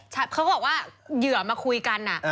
เธอก็บอกว่าเฑื่อมาคุยกันอ่ะ